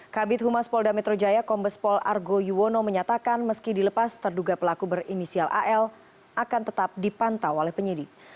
kabit humas polda metro jaya kombespol argo yuwono menyatakan meski dilepas terduga pelaku berinisial al akan tetap dipantau oleh penyidik